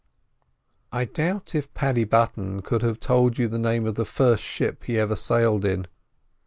I doubt if Paddy Button could have told you the name of the first ship he ever sailed in.